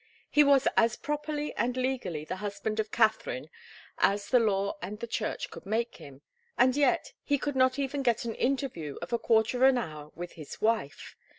He was as properly and legally the husband of Katharine as the law and the church could make him, and yet he could not even get an interview of a quarter of an hour with his wife.